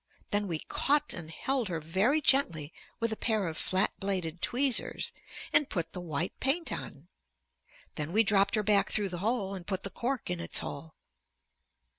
Then we caught and held her very gently with a pair of flat bladed tweezers, and put the white paint on. Then we dropped her back through the hole and put the cork in its hole.